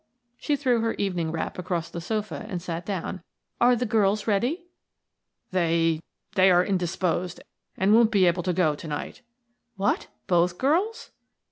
She threw her evening wrap across the sofa and sat down. "Are the girls ready?" "They they are indisposed, and won't be able to go to night." "What! Both girls?"